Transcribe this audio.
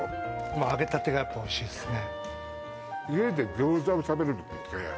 揚げたてがやっぱりおいしいですね。